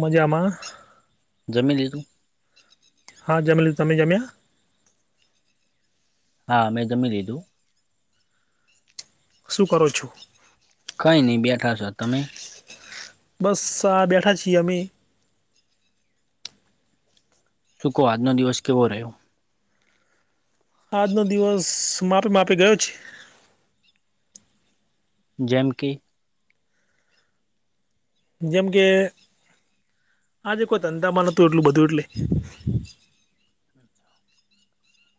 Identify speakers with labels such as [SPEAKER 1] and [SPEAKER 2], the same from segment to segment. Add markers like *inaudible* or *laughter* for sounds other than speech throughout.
[SPEAKER 1] મજામાં
[SPEAKER 2] જમી લીધું
[SPEAKER 1] હા જમી લીધું તમે જમ્યા
[SPEAKER 2] હા અમે જમી લીધું
[SPEAKER 1] શું કરો છો
[SPEAKER 2] કઈ ની બેઠા છો તમે
[SPEAKER 1] બસ આ બેઠા છીએ અમે
[SPEAKER 2] શું કો આજનો દિવસ કેવો રહ્યો
[SPEAKER 1] આજનો દિવસ માપે માપે ગયો છે.
[SPEAKER 2] જેમ કે
[SPEAKER 1] જેમ કે આજે કોઈ ધંધામાં નતું એટલું બધું એટલે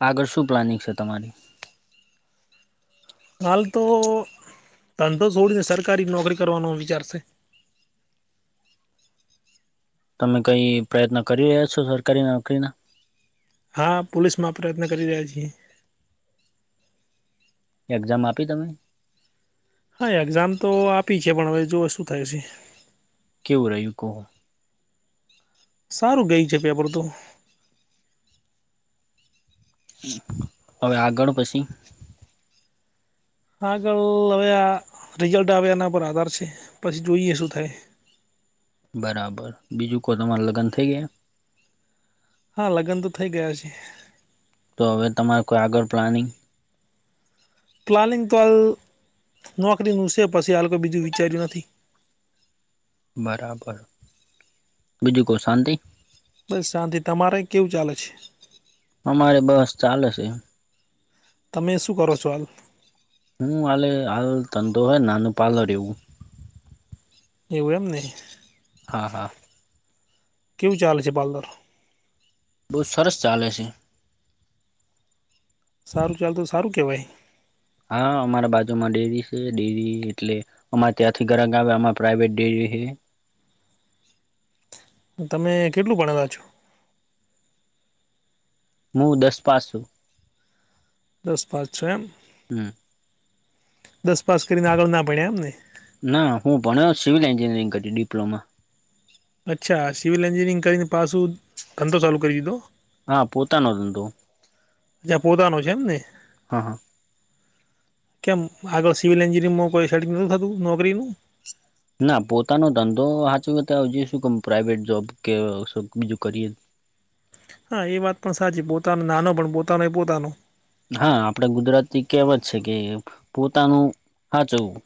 [SPEAKER 2] આગળ શું પ્લાનિંગ છે તમારી
[SPEAKER 1] હાલ તો ધંધો છોડીને સરકારી નોકરી કરવાનો વિચાર છે
[SPEAKER 2] તમે કઈ પ્રયત્ન કરી રહ્યા છો સરકારી નોકરીના
[SPEAKER 1] હા પોલીસમાં પ્રયત્ન કરી રહ્યા છીએ
[SPEAKER 2] એક્ઝામ આપી તમે?
[SPEAKER 1] હ, એક્ઝામ તો આપી છે, પણ, હવે જોઓ શું થાય છે?
[SPEAKER 2] કેવું રયુ કો?
[SPEAKER 1] સારું ગયુ છે પેપર તો.
[SPEAKER 2] અવે આગળ પછી?
[SPEAKER 1] આગળ, હવે આ રિઝલ્ટ આવે એના પર આધાર છે. પછી જોઈએ શું થાય?
[SPEAKER 2] બરાબર, બીજું કો તમાર લગન થઈ ગયા?
[SPEAKER 1] હા, લગન તો થઈ ગયા છે.
[SPEAKER 2] તો, હવે તમારે કોઈ આગળ પ્લાનિંગ?
[SPEAKER 1] પ્લાનિંગ તો હાલ નોકરીનું છે, પછી હાલ કૈ બીજું વિચાર્યું નથી.
[SPEAKER 2] બરાબર, બીજું કો શાંતિ?
[SPEAKER 1] બસ શાંતિ, તમારે કેવું ચાલે છે?
[SPEAKER 2] અમારે બસ ચાલે છે.
[SPEAKER 1] તમે, શું કરો છો હાલ?
[SPEAKER 2] હું, હાલે હાલ ધંધો હે, નાનું પાલરીયું.
[SPEAKER 1] એવું, એમ ને?
[SPEAKER 2] હા, હા.
[SPEAKER 1] કેવું ચાલે છે પાર્લર?
[SPEAKER 2] બઉ સરસ ચાલે છે.
[SPEAKER 1] સારું ચાલતું તો, સારું કેવાય.
[SPEAKER 2] હા, અમારા બાજુમાં ડેરી છે. ડેરી એટલે- અમારે ત્યાંથી ગરાક આવે, આમાર પ્રાઇવેટ ડેરી હે.
[SPEAKER 1] તમે કેટલું ભણેલા છો?
[SPEAKER 2] મુ, દસ પાસ હુ.
[SPEAKER 1] દસ પાસ છો એમ?
[SPEAKER 2] હમ
[SPEAKER 1] દસ પાસ કરીને આગળ ના ભણ્યા એમ ને?
[SPEAKER 2] ના, હું ભણ્યો સિવિલ એન્જિનિયરિંગ કરી ડિપ્લોમા.
[SPEAKER 1] અચ્છા, સિવિલ એન્જિનિયરિંગ કરીને પાછું, ધંધો ચાલું કરી દીધો.
[SPEAKER 2] હા, પોતાનો ધંધો.
[SPEAKER 1] ત્યા પોતાનો છે એમ ને?
[SPEAKER 2] હા હ
[SPEAKER 1] કેમ, આગળ સિવિલ એન્જિનિયરમાં કોઈ સેટિંગ નોતુ થતું નોકરીનું?
[SPEAKER 2] ના, પોતાનો ધંધો હાચવીએ, ત્યાહુધી શુંકામ પ્રાઇવેટ જોબ કે, શું બીજું કરીએ?
[SPEAKER 1] હા, એ વાત પણ સાચી. પોતાનો નાનો પણ પોતાનો એ પોતાનો.
[SPEAKER 2] હા, આપડે ગુજરાતી કેહવત છે કે, પોતાનું હાચવવું.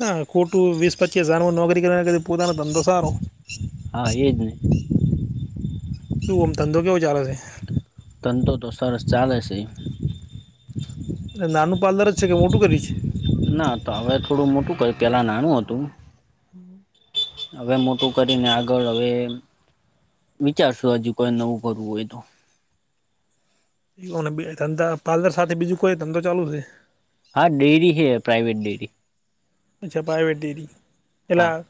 [SPEAKER 1] હા, ખોટું વીસ પચીસ હજારમાં નોકરી કરવી, એના કરતાં પોતાનો ધંધો સારો.
[SPEAKER 2] હા, એજ ને.
[SPEAKER 1] કેવું, આમ ધંધો કેવો ચાલે સે?
[SPEAKER 2] ધંધો તો, સરસ ચાલે છે.
[SPEAKER 1] નાનું પાર્લર જ છે, કે મોટું કર્યુ છે?
[SPEAKER 2] ના, ત હવે થોડું મોટું કર્યું, પેલા નાનું હતું. હવે, મોટું કરીને આગળ હવે- વિચારશું, હજુ કોઈ નવું કરવું હોય તો.
[SPEAKER 1] ઓને બે ધંધા, પાર્લર સાથે બીજું કોઈ ધંધો ચાલુ છે?
[SPEAKER 2] હા, ડેરી હે પ્રાઇવેટ ડેરી.
[SPEAKER 1] અચ્છા પ્રાઇવેટ ડેરી,
[SPEAKER 2] હા
[SPEAKER 1] પેલાં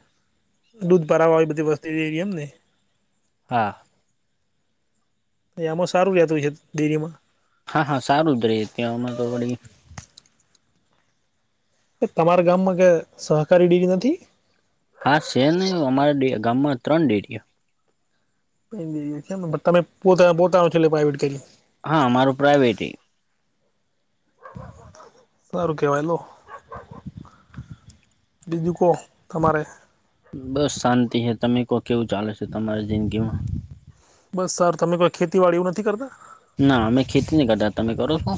[SPEAKER 1] દૂધ ભરાવા આવી બધી વસ્તી દેરી એમને?
[SPEAKER 2] હા
[SPEAKER 1] તે આમાં સારું રેતું છે ડેરીમાં?
[SPEAKER 2] હા હા, સારું જ રે ત્યાંમાં તો વળી.
[SPEAKER 1] તમારા ગામમાં ક સહકારી ડેરી નથી?
[SPEAKER 2] હા છેને, અમારા ગામમાં ત્રણ ડેરીઓ.
[SPEAKER 1] છે તમે પોતાના પોતાનું છે, એટલે પ્રાઇવેટ કર્યું છે.
[SPEAKER 2] હા મારું પ્રાયવેટ એ. *inaudible*
[SPEAKER 1] સારું કેવાય લો બીજું કો, તમારે
[SPEAKER 2] બસ શાંતિ હે, તમે કો કેવું ચાલે છે તમારી જિંદગી માં?
[SPEAKER 1] બસ યાર, તમે કોઈ ખેતીવાડી એવું નથી કરતા?
[SPEAKER 2] ના અમે ખેતી નહી કરતા, તમે કરો છો?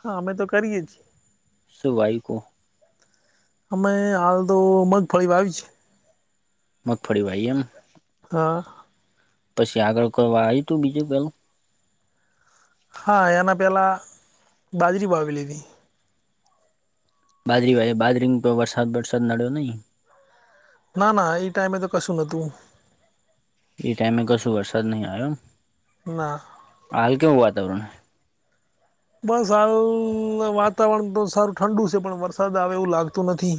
[SPEAKER 1] હા, અમે તો કરીએ છીએ.
[SPEAKER 2] શું વાયુ તો?
[SPEAKER 1] અમે હાલ તો મગફળી વાવી છે.
[SPEAKER 2] મગફળી વાય એમ,
[SPEAKER 1] હા
[SPEAKER 2] પછી આગળ કોય વાયુતું બીજું કોઈ?
[SPEAKER 1] હા, એનાં પહેલાં, બાજરી વાવેલી હતી.
[SPEAKER 2] બાજરી વાવી, બાજરી મા કાય વરસાદ વરસાદ નડ્યો નહીં?
[SPEAKER 1] ના ના, એ ટાઈમે તો કશું નતું.
[SPEAKER 2] એ ટાઈમે કશું વરસાદ નહીં આવ્યો એમ.
[SPEAKER 1] ના.
[SPEAKER 2] હાલ કેવું વાતાવરણ?
[SPEAKER 1] બસ હાલ, વાતાવરણ તો સારું ઠંડુ છે, પણ વરસાદ આવે એવું લાગતું નથી.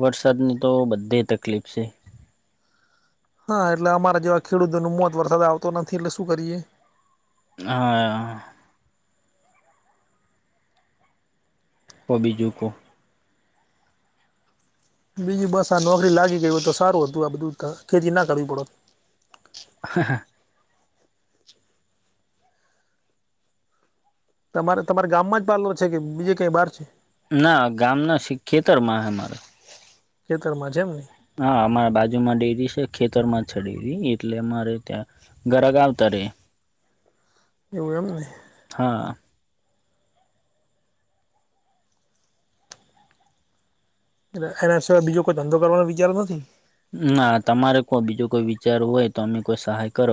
[SPEAKER 2] વરસાદની તો બધે તકલીફ છે.
[SPEAKER 1] હા, એટલે અમારા જેવા ખેડૂતોનું મોત વરસાદ આવતો નથી એટલે શું કરીએ?
[SPEAKER 2] હા. કો બીજુ કો.
[SPEAKER 1] બીજું બસ આ નોકરી લાગી ગય હોય તો, સારું હતું આ બધું ખેતી ના કરવી પડત.
[SPEAKER 2] હા હા *unintelligible*
[SPEAKER 1] તમારે તમારા ગામમાં જ પાલર છે, કે બીજે કઈ બહાર છે?
[SPEAKER 2] ના ગામ ના છે, ખેતર માં હે મારે.
[SPEAKER 1] ખેતરમાં છે એમને.
[SPEAKER 2] હા અમારા બાજુ માં ડેરી છે, ખેતરમાં છે ડેરી, એટલે અમારે ત્યાં ગ્રાહક આવતા રે.
[SPEAKER 1] એવું એમને.
[SPEAKER 2] હા
[SPEAKER 1] એટલે એના સિવાય બીજો કોઈ ધંધો કરવાનો વિચાર નથી?
[SPEAKER 2] ના તમારે કો, બીજું કોઈ વિચાર હોય તો અમે કોઈ સહાય કર?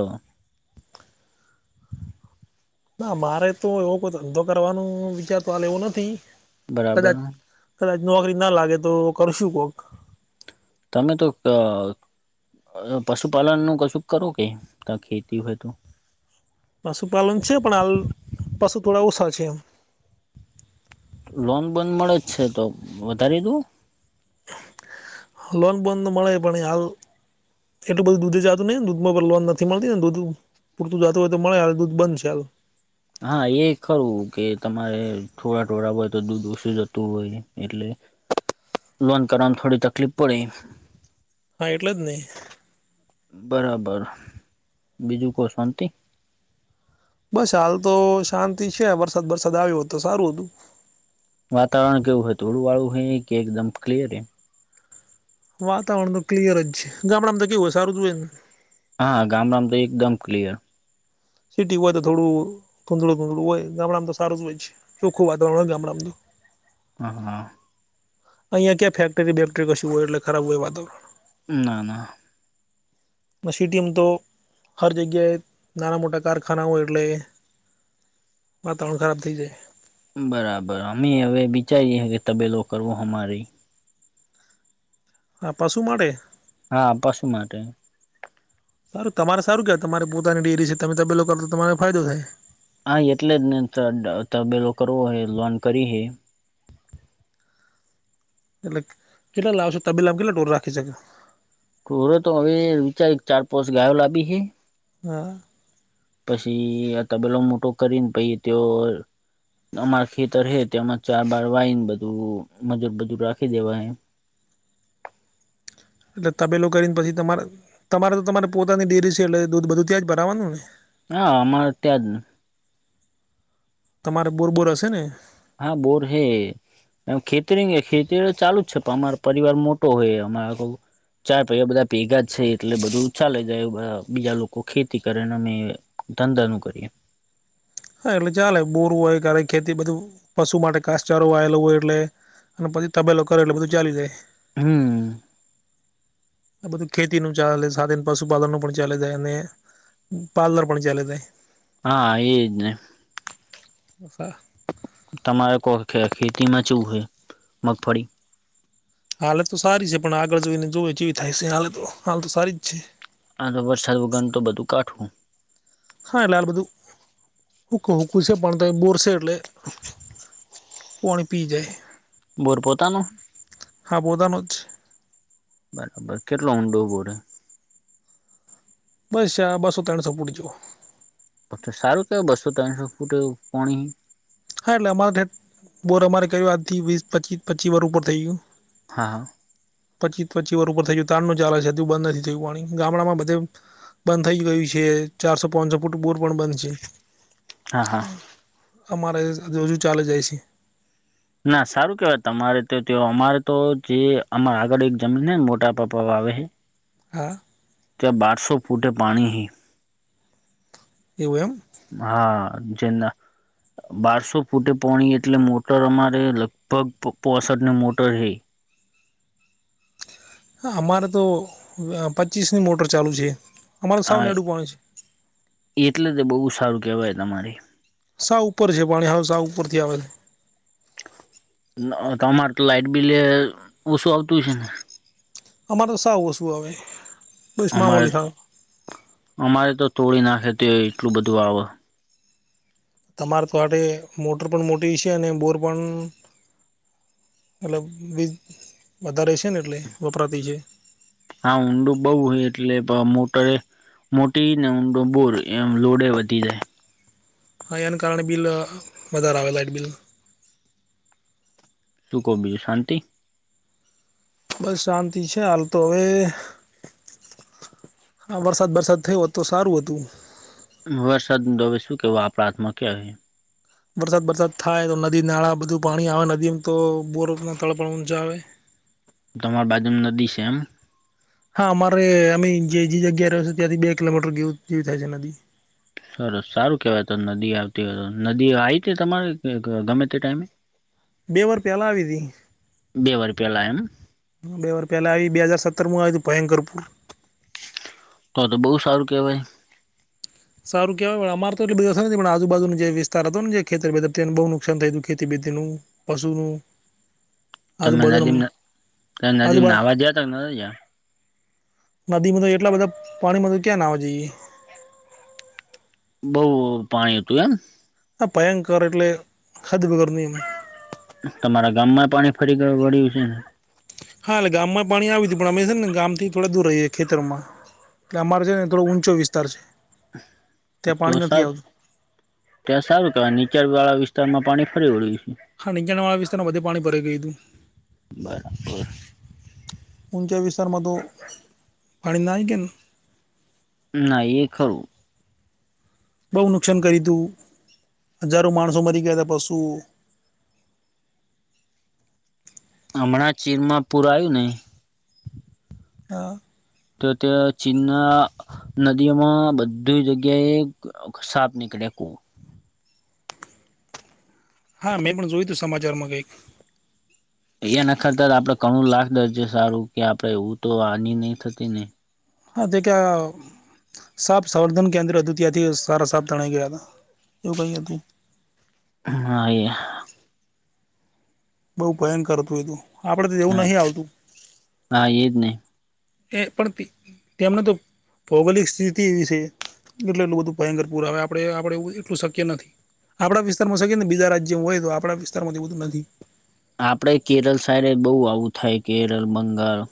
[SPEAKER 1] ના, મારે તો એવો કોઇ ધંધો કરવાનું વિચાર તો હાલ એવું નથી.
[SPEAKER 2] બરાબર.
[SPEAKER 1] કદાચ કદાચ નોકરી ના લાગે તો કરશું કોક.
[SPEAKER 2] તમે તો, અ અ પશુપાલનનું કશું કરો કે? ખેતી હોય તો?
[SPEAKER 1] પશુપાલન છે, પણ હાલ પશુ થોડા ઓછા છે એમ.
[SPEAKER 2] લોન બોન મળે જ છે તો વધારી દો.
[SPEAKER 1] લોન બોધ મળે પણ હાલ એટલ બધું દૂધ જતું નથી ને દૂધમાં પણ લોન નથી મળતી ને દૂધ પૂરતું જતુ હોય તો મળે હાલ દૂધ બંન છે હાલ.
[SPEAKER 2] હા એ ખરું કે તમારે થોડા ઢોરા હોય તો દૂધ ઓછું જતું હોય એટલે. લોન કરવામ થોડી તકલીફ પડે.
[SPEAKER 1] હા એટલે જ નહી.
[SPEAKER 2] બરાબર, બીજું કો શાંતિ?
[SPEAKER 1] બસ હાલ તો શાંતિ છે વરસાદ વરસાદ આવ્યો સારું હતું.
[SPEAKER 2] વાતાવરણ કેવું હોય તોડું વાળું હ કે એકદમ ક્લિયર હે?
[SPEAKER 1] વાતાવરણ નું ક્લિયર જ છે ગામડામાં તો કેવું હોય સારું જ હોય ન.
[SPEAKER 2] હા ગામડામાં તો એકદમ ક્લિયર.
[SPEAKER 1] સિટી હોય તો થોડું ધુંધળું ધૂધળું હોય ગામડામાં તો સારું જ હોય છે. સોખું વાતાવરણ ગામડામનું તો.
[SPEAKER 2] હા, હા.
[SPEAKER 1] અહીયાં ક્યાં ફેક્ટરી બેક્ટરી કશું હોય એટલે ખરાબ હોય વાતો
[SPEAKER 2] ના, ના.
[SPEAKER 1] મ સિટીમ તો હર જગ્યાએ નાના મોટા કારખાનાઓ એટલે વાતાવરણ ખરાબ થઈ જાય.
[SPEAKER 2] બરાબર અમે હવે વિચારીએ તબેલો કરવો હ અમારે.
[SPEAKER 1] હા પશુ માટે?
[SPEAKER 2] હા પશુ માટે.
[SPEAKER 1] સારું તમારે સારું કહેવા તમારે પોતાની ડેરી છે તમે તબેલો કરો તો તમાને ફાયદો થાય.
[SPEAKER 2] હા એટલે જ ને તબેલો કરવો હોય લોન કરી હે.
[SPEAKER 1] એટલે કેટલા લાવશે તબીલામ કેટ ડોર રાખી શકે?
[SPEAKER 2] ખોરો તો હવે વિચાર્યું હે કે ચાર પાંચ ગાયો લાબી હે.
[SPEAKER 1] હમ્મ.
[SPEAKER 2] પછી આ તબેલો મોટો કરીને પહિ ત્યોં અમારા ખેતર હે તેમાં ચાર બાર વાઈને બધું મજૂર બજુર રાખી દેવા હ.
[SPEAKER 1] એટલે તબેલો કરી પછી તમારે તમારે તો તમારે પોતાની ડેરી છે એટલે દૂધ બધું ત્યાં જ ભરાવાનું ને?
[SPEAKER 2] હા અમારે ત્યાં જ.
[SPEAKER 1] તમારે બોરબોર હશે ને?
[SPEAKER 2] હા બોર હૈ. એમ ખેતરી ખેતી તો ચાલુ જ છે પણ અમારો પરિવાર મોટો હોય અમારે ક ચાર પૈયા બધા ભેગા જ છે એટલે બધું ચાલે જાય બીજા લોકો ખેતી કરે ને અમે ધંધાનું કરીએ.
[SPEAKER 1] સાર એટલે ચાલે બોરું ક ખેતી બધું પશુ માટે કાસચારો વાયેલો હોય એટલે અને પછી તબેલો કરો એટલે બધું ચાલી જાય.
[SPEAKER 2] હમ્મ.
[SPEAKER 1] આ બધું ખેતી નું ચાલે સાથે પશુપાલન નું પણ ચાલે છે અને પાર્લર પણ ચાલે તા.
[SPEAKER 2] હા એ જને.
[SPEAKER 1] *inaudible*
[SPEAKER 2] તમારે કોઈ ખેતી માં ચવું હોય મગફળી?
[SPEAKER 1] હાલે તો સારી છે પણ આગળ જઈને જો જેવી થાય છે હાલ તો હાલ તો સારી જ છે.
[SPEAKER 2] આ તો વરસાદ વગન તો બધું કાઠવું.
[SPEAKER 1] હા એટલે લાલ બધું હુંક હુકું છે પણ તો એ બોરશે એટલે પાણી પી જાય.
[SPEAKER 2] બોર પોતાનો.
[SPEAKER 1] હા પોતાનો જ.
[SPEAKER 2] બરાબર કેટલો ઊંડો બોર હે
[SPEAKER 1] બસ આ બસો ત્રણસો ફૂટ જેવો.
[SPEAKER 2] પછ સારું કે બસો તનશો ફૂટ પણી.
[SPEAKER 1] હા એટલે અમારે બોર અમારે કર્યું આજથી વીસ પચીસ પચી વાર ઉપર થઈ ગયું.
[SPEAKER 2] હા
[SPEAKER 1] પચી ત્ચીર ઉપર *unintelligible* થય ગયુ તારનું ચાલ છે બંધ નથી થયું પાણી ગામડામાં બધે બંધ થઈ ગયું છે ચારસો પાચસો ફૂટ બોર પણ બંધ છે
[SPEAKER 2] હા હા
[SPEAKER 1] અમારે હજુ ચાલે જાય છે
[SPEAKER 2] ના સારું કેવાય તમારે તો તે અમારે તો જે અમા આગળ એક જમીન ને મોટા પપ્પા વાવે
[SPEAKER 1] હા
[SPEAKER 2] ત્યાં બારસો ફૂટે પાણી હે
[SPEAKER 1] એવું એમ
[SPEAKER 2] હા જેના બારસો ફૂટે પોણી એટલે મોટર અમારે લગભગ પોસઠ ન મોટર હે
[SPEAKER 1] હ અમારે તો પચીસની મોટર ચાલુ છે અમારે
[SPEAKER 2] આ
[SPEAKER 1] સાવને અડું *unintelligible* પાણ છે
[SPEAKER 2] એટલે તો બહુ સારું કેવાય તમારે
[SPEAKER 1] સા ઉપર છે પાણી હાવ સાઉ ઉપરથી આવે છે
[SPEAKER 2] તમારે તો લાઇટ બિલે ઓશુ આવતું હશે ને
[SPEAKER 1] અમારે તો સાઉ ઓછું આવે બસ
[SPEAKER 2] અમારે
[SPEAKER 1] મામૂલી સાવ
[SPEAKER 2] અમારે તો તોડી નાખેતી હોય એટલું બધું આવે
[SPEAKER 1] તમારે તો આ મોટર પણ મોટી છે અને બોર પણ મતલબ વીજ વધારે છે ને એટલે વપરાતી છે
[SPEAKER 2] હા ઊંડું બહુ હોય એટલે ભ મોટરે મોટીને ઊંડો બોર એમ લોડે વધી જાય
[SPEAKER 1] હા એને કારણે બિલ વધારે આવે લાઇટ બિલ
[SPEAKER 2] તું કો બીજું હાંતિ
[SPEAKER 1] બસ શાંતિ છે હાલ તો હવે હા વરસાદ બરસાદ થયો હોત તો સારું હતું
[SPEAKER 2] વરસાદ નું તો હવે સુ કેવું આપડા હાથમા ક્યારે
[SPEAKER 1] વરસાદ બરસાદ થાય તો નદી નાળા બધું પાણી આવે નદીમાં તો બોર તળ પણ ઊંચા આવે
[SPEAKER 2] તમાર બાજુમાં નદી છે એમ
[SPEAKER 1] હા અમારે અમે જે જગ્યા રહ છે ત્યાંથી બે કિલોમીટર જેવી થાય છે નદી
[SPEAKER 2] સરસ સારું કહેવાય તો નદી આવતી હોય તો નદી આવી હતી તમારે કે ગમે તે ટાઈમે
[SPEAKER 1] બે વાર પેલા આવી હતી
[SPEAKER 2] બે વાર પેલા એમ
[SPEAKER 1] બે વાર પહેલાં આવી બે સતરમાં આવી હતી ભયંકર
[SPEAKER 2] તો તો બહું સારું કહેવાય
[SPEAKER 1] સારું કેવાય અમાર તો એટ બધા નથી પણ આજુ બા *unintelligible* જુનું જે વિતાર હતો જે ખેતર તેમ બઉ નું સાન થાય ખેતી બેતી નું પશુનું
[SPEAKER 2] તમે
[SPEAKER 1] આજુબાજુનું
[SPEAKER 2] નદી
[SPEAKER 1] આજુબા
[SPEAKER 2] નાવા ગયા તા
[SPEAKER 1] નદી માં તો એટલા બધા પાણીમાં તો ક્યાં નાવા જઈએ.
[SPEAKER 2] બઉ પાણી હતું એમ.
[SPEAKER 1] હ ભયંકર એટલે *unintelligible*
[SPEAKER 2] તમારા ગામમાં પાણી ફરી વળ્યું હશે ને.
[SPEAKER 1] હા એટલે ગામમાં પાણી આવતું પણ અમે છે ને ગામ થી થોડા દૂર રહીએ ખેતરમાં. એટલે અમારે છે ને થોડો ઊંચો વિસ્તાર છે. ત્યાં
[SPEAKER 2] તો
[SPEAKER 1] પાણી
[SPEAKER 2] સ
[SPEAKER 1] નથી આવતું
[SPEAKER 2] ત્યાં સારું કેવાય નીચાણ વાળા વિસ્તારમાં પાણી ફરી વળ્યું છે.
[SPEAKER 1] હા નીચાણ વાળા વિસ્તારમાં બધે પાણી ભરાઇ ગયું તું. ઊંચ વિસતારમાં તો પાણી *unintelligible*
[SPEAKER 2] ના એ ખરું.
[SPEAKER 1] બહુ નુકસાન કર્યું તું હજારો માણસો મરી ગયા હતા પશુઓ
[SPEAKER 2] હમણાં ચીનમાં પૂર આયુ ને
[SPEAKER 1] *unintelligible*
[SPEAKER 2] ત્યાં ચીનના નદીઓમાં બધી જગ્યાએ સાપ નીકળે કૂ
[SPEAKER 1] હા મેં પણ જોયું હતું સમાચારમાં કંઈક
[SPEAKER 2] એ નખાતાર આપણે ઘણું લાખ દરજ સારું કે આપણે *unintelligible* આની નહીં થતી ને.
[SPEAKER 1] *unintelligible* સાપ સંવર્ધન કેન્દ્ર હતું ત્યાંથી સારા સાફ તણાઈ ગયા હતા *unintelligible*
[SPEAKER 2] *unintelligible*
[SPEAKER 1] બઉુ ભયંકર હતું એ તો આપડે તો એવું નહી આવતું.
[SPEAKER 2] હા એ જ ને.
[SPEAKER 1] *unintelligible* ભૌગોલિક સ્થિતિ એવી છે એટલે એલું બધું ભયંકર પુર આવે આપડ આપડે એટલું શક્ય નથી. આપણા વિસ્તારમાં છે કે ને બીજા રાજ્યમાં હોય તો આપણા વિસ્તારમાં એ બધું નથી.
[SPEAKER 2] આપણે કેરળ સાઈડ બહુ આવું થાય કેરળ બંગાળ